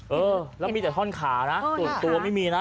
เออนี่แล้วมีแต่ถ้นขานะตัวไม่มีนะ